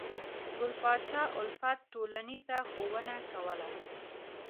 ګل پاچا الفت ټولنیزه ښوونه کوله.